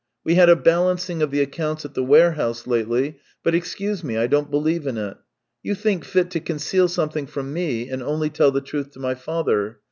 We had a balancing of the accounts at the ware house lately, but, excuse me, I don't believe in it; you thiftk fit to conceal something from me and only tell the truth to my father.